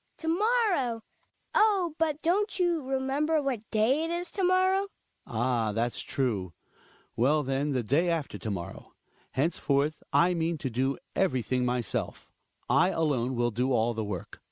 Hedvig. To morrow ! Oh ! but don't you remember what day it is to morrow ? Hjalmar. Ah ! that's true. Well, then, the day after to morrow. Henceforth I mean to do everything myself; I alone will do all the work.